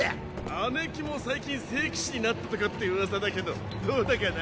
姉貴も最近聖騎士になったとかって噂だけどどうだかな。